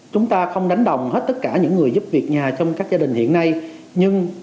chúng ta không đánh đồng hết tất cả những người giúp việc nhà trong các gia đình hiện nay